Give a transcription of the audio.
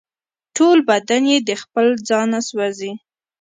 ټول بدن یې د خپل ځانه سوزي